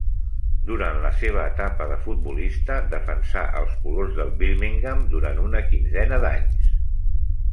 Durant la seva etapa de futbolista defensà els colors del Birmingham durant una quinzena d'anys.